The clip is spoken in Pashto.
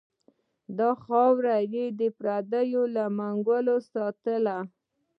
دا خاوره یې د پردو له منګلو ساتلې.